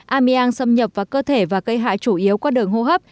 ameang xâm nhập vào cơ thể và gây hại chủ yếu qua đường hô hấp